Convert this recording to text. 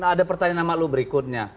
ada pertanyaan sama lu berikutnya